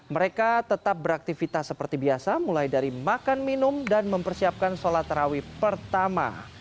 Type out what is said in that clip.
mereka tetap beraktivitas seperti biasa mulai dari makan minum dan mempersiapkan sholat terawih pertama